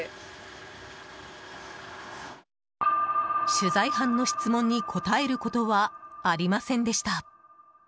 取材班の質問に答えることはありませんでした。